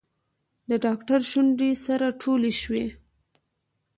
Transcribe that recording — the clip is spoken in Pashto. د ډاکتر شونډې سره ټولې شوې.